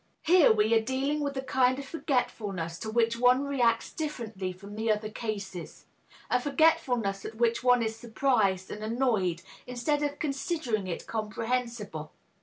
Here we are dealing with a kind of forgetfulness to which one reacts differently from the other cases, a forgetfulness at which one is surprised and annoyed, instead of considering it comprehensible.